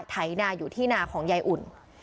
ไถนาอยู่ที่นาของยายอุ่น